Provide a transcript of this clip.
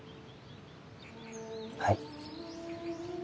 はい。